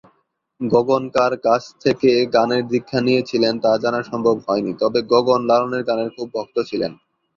গগন কার কাছ থেকে গানের দীক্ষা নিয়েছিলেন তা জানা সম্ভব হয়নি, তবে গগন লালনের গানের খুব ভক্ত ছিলেন।